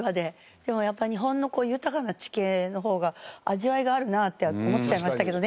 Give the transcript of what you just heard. でもやっぱり日本の豊かな地形の方が味わいがあるなあって思っちゃいましたけどね。